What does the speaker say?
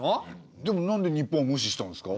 でもなんで日本は無視したんですか？